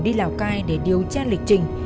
đi lào cai để điều tra lịch trình